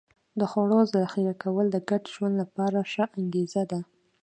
د خوړو ذخیره کول د ګډ ژوند لپاره ښه انګېزه ده.